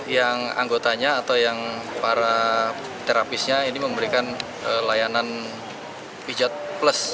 yang anggotanya atau yang para terapisnya ini memberikan layanan pijat plus